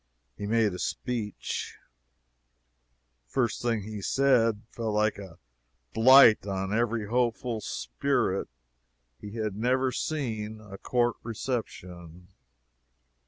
He made a speech. The first thing he said fell like a blight on every hopeful spirit: he had never seen a court reception.